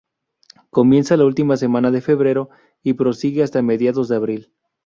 Comienza la última semana de febrero y prosigue hasta mediados de abril.